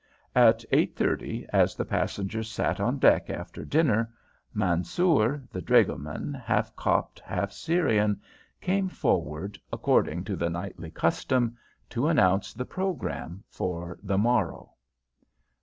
At eight thirty, as the passengers sat on deck after dinner, Mansoor, the dragoman, half Copt half Syrian, came forward, according to the nightly custom, to announce the programme for the morrow.